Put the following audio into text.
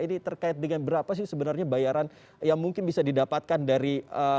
ini terkait dengan berapa sih sebenarnya bayaran yang mungkin bisa didapatkan dari